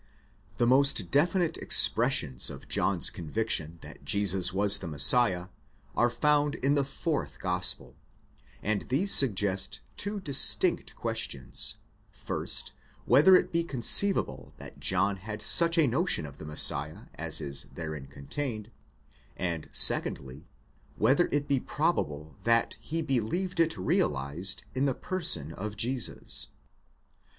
The most definite expressions of John's conviction that Jesus was the Messiah are found in the fourth Gospel, and these suggest two distinct ques tions: first, whether, it be conceivable that John had such a notion of the Messiah as is therein contained ; and, secondly, whether it be probable that he believed it realized in the person of Jesus.